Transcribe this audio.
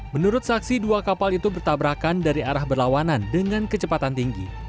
menurut saksi dua kapal itu bertabrakan dari arah berlawanan dengan kecepatan tinggi